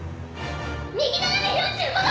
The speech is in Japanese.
右斜め４５度！